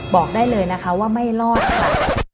บอกได้เลยนะคะว่าไม่รอดค่ะ